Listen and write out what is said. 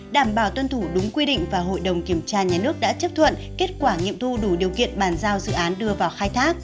đảm bảo tuân thủ đúng quy định và hội đồng kiểm tra nhà nước đã chấp thuận kết quả nghiệm thu đủ điều kiện bàn giao dự án đưa vào khai thác